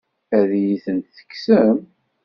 Ad iyi-tent-tekksem?